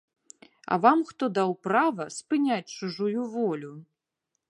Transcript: А вам хто даў права спыняць чужую волю?!